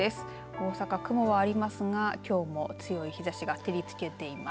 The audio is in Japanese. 大阪、雲はありますがきょうも強い日ざしが照りつけています。